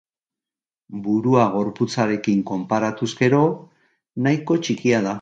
Burua gorputzarekin konparatuz gero, nahiko txikia da.